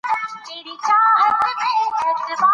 د ثور کودتا ادبیات سوسیالیستي رنګ ورکړ.